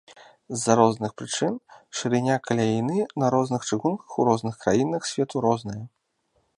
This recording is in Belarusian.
З-за розных прычын шырыня каляіны на розных чыгунках у розных краінах свету розная.